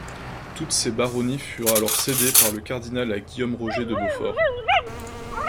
Toutes ces baronnies furent alors cédées par le cardinal à Guillaume Roger de Beaufort.